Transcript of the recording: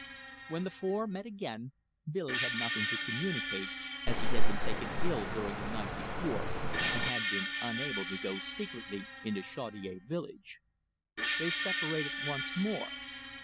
When the four met again, Billy had nothing to communicate, as he had been taken ill during the night before, and had been unable to go secretly into Chaudiere village. They separated once more.